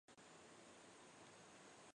而往标茶车站方向的路线仍然存在。